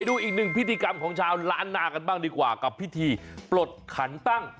ดูอีกหนึ่งพิธีกรรมของชาวล้านนากันบ้างดีกว่ากับพิธีปลดขันตั้ง